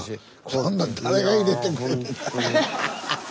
そんなん誰が入れてくれんねんハハハハッ！